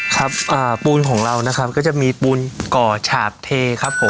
ครับปูนของเรานะครับก็จะมีปูนก่อฉาบเทครับผม